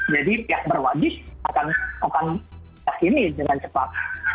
jadi pihak berwajib akan melakukan ini dengan cepat